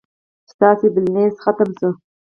ستاسي بلينس ختم شوي